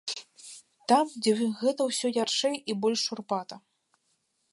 Там, дзе гэта ўсё ярчэй і больш шурпата.